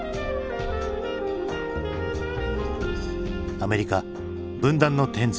「アメリカ分断の１０ｓ」。